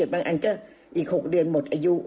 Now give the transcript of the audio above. บางอันก็อีก๖เดือนหมดอายุ